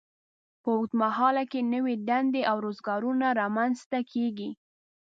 په اوږد مهال کې نوې دندې او روزګارونه رامینځته کیږي.